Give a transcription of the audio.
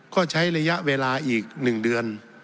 ก็ใช้ระยะเวลาอีก๑เดือน